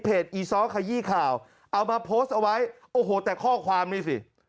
อีซ้อขยี้ข่าวเอามาโพสต์เอาไว้โอ้โหแต่ข้อความนี่สิ